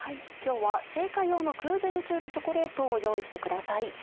今日は製菓用のクーベルチュールチョコレートを用意してください。